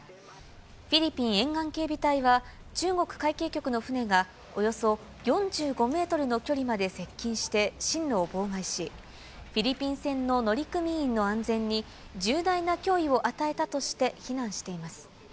フィリピン沿岸警備隊は、中国海警局の船が、およそ４５メートルの距離まで接近して針路を妨害し、フィリピン船の乗組員の安全に重大な脅威を与えたとして非難しています。